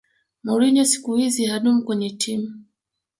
mourinho siku hizi hadumu kwenye timu